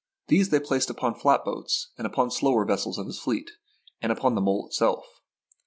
These they placed upon flatboats and upon slower vessels of his fleet, and upon the mole itself.